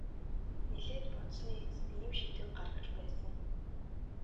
Нэлээд бодсоны эцэст ийм шийдвэр гаргаж байсан.